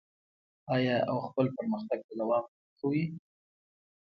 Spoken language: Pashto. آیا او خپل پرمختګ ته دوام نه ورکوي؟